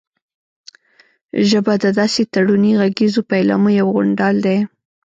ژبه د داسې تړوني غږیزو پيلامو یو غونډال دی